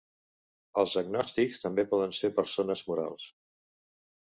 Els agnòstics també poden ser persones morals.